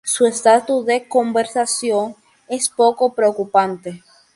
Su estatus de conservación es poco preocupante.